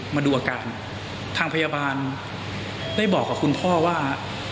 มาดูอาการทางพยาบาลได้บอกกับคุณพ่อว่า